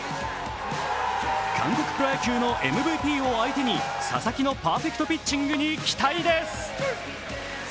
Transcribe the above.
韓国プロ野球のＭＶＰを相手に佐々木のパーフェクトピッチングに期待です。